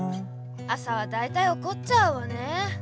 「朝はだいたいおこっちゃうわねえ」。